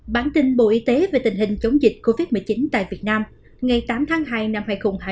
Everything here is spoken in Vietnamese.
bản tin bộ y tế về tình hình chống dịch covid một mươi chín tại việt nam ngày tám tháng hai năm hai nghìn hai mươi